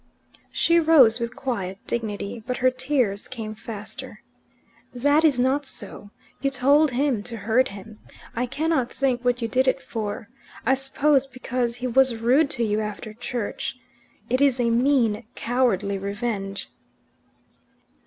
She rose with quiet dignity, but her tears came faster. "That is not so. You told him to hurt him. I cannot think what you did it for. I suppose because he was rude to you after church. It is a mean, cowardly revenge.